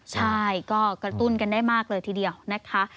ใช่ก็กระตุ้นกันได้มากเลยทีเดียวนะคะ